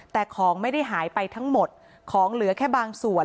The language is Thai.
แต่ของไม่ได้หายไปทั้งหมดของเหลือแค่บางส่วน